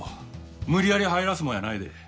無理やり入らすもんやないで。